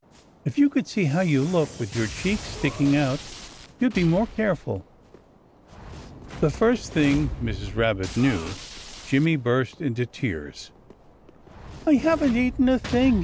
If you could see how you look, with your cheeks sticking out, you'd be more careful." The first thing Mrs. Rabbit knew, Jimmy burst into tears. "I haven't eaten a thing!"